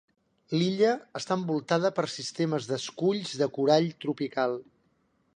L'illa està envoltada per sistemes d'esculls de corall tropical.